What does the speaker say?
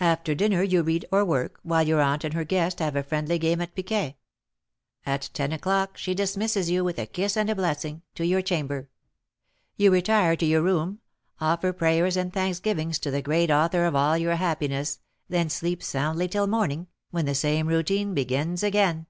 After dinner you read or work, while your aunt and her guest have a friendly game at piquet. At ten o'clock she dismisses you, with a kiss and a blessing, to your chamber; you retire to your room, offer prayers and thanksgivings to the Great Author of all your happiness, then sleep soundly till morning, when the same routine begins again."